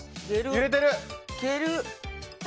揺れてる！